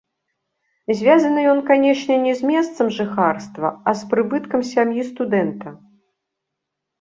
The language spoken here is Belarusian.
Звязаны ён, канешне, не з месцам жыхарства, а з прыбыткам сям'і студэнта.